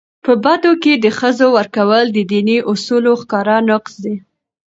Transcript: په بدو کي د ښځو ورکول د دیني اصولو ښکاره نقض دی.